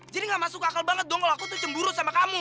jadi gak masuk akal banget dong kalau aku tuh cemburu sama kamu